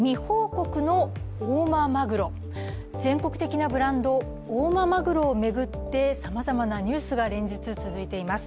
全国的なブランド、大間まぐろを巡ってさまざまなニュースが連日続いています。